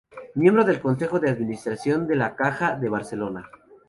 Miembro del Consejo de Administración de la Caja de Barcelona.